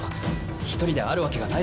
１人であるわけがないだろう。